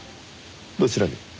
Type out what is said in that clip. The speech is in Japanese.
どちらに？